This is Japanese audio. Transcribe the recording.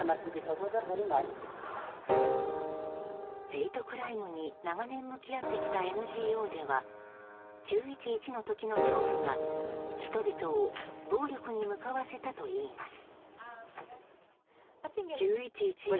ヘイトクライムに長年向き合ってきたＮＧＯでは９・１１の時の恐怖が、人々を暴力に向かわせたといいます。